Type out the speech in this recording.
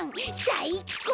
さいっこう！